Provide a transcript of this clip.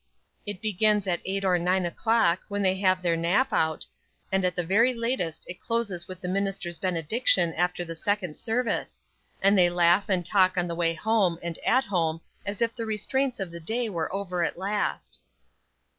It begins at eight or nine o'clock, when they have their nap out; and at the very latest it closes with the minister's benediction after the second service; and they laugh and talk on the way home and at home as if the restraints of the day were over at last."